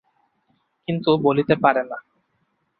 কিন্তু বলিতে পারে না।